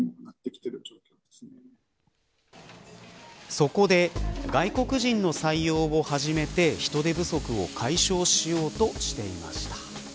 そこで、外国人の採用を始めて人手不足を解消しようとしていました。